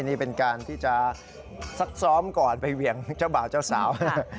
นี่เป็นการที่จะซักซ้อมก่อนไปเหวี่ยงเจ้าบ่าวเจ้าสาว